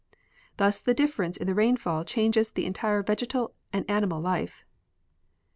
Thus the difference in the rainfall changes the entire vegetal and animal life.